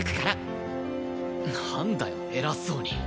なんだよ偉そうに。